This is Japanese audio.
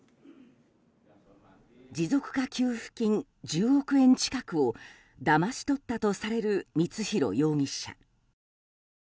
持続化給付金１０億円近くをだまし取ったとされる光弘容疑者。